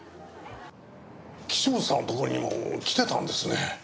岸本さんのところにも来てたんですね。